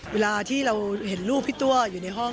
เวลาที่เราเห็นลูกพี่ตัวอยู่ในห้อง